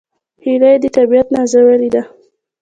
هیلۍ د طبیعت نازولې ده